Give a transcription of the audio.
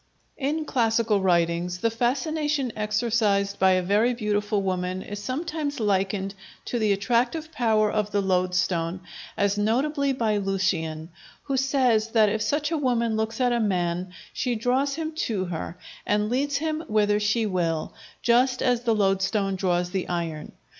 In classical writings the fascination exercised by a very beautiful woman is sometimes likened to the attractive power of the loadstone, as notably by Lucian, who says that if such a woman looks at a man she draws him to her, and leads him whither she will, just as the loadstone draws the iron.